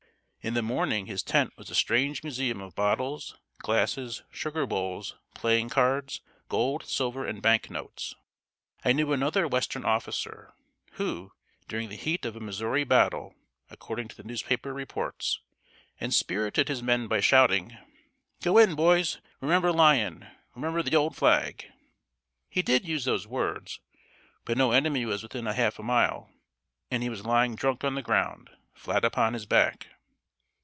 In the morning his tent was a strange museum of bottles, glasses, sugar bowls, playing cards, gold, silver, and bank notes. I knew another western officer, who, during the heat of a Missouri battle, according to the newspaper reports, inspirited his men by shouting: "Go in, boys! Remember Lyon! Remember the old flag!" He did use those words, but no enemy was within half a mile, and he was lying drunk on the ground, flat upon his back.